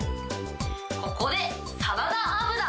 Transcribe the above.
ここでサラダ油。